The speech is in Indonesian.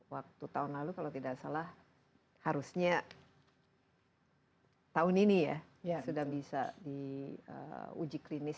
waktu tahun lalu kalau tidak salah harusnya tahun ini ya sudah bisa diuji klinis